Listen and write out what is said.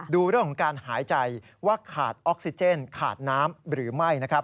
ดูเรื่องของการหายใจว่าขาดออกซิเจนขาดน้ำหรือไม่นะครับ